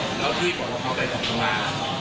อเจมส์แล้วที่บอกว่าเขาไปขอโทษมาล่ะ